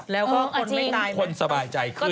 แล้วก็คนไม่ตายคนสบายใจขึ้น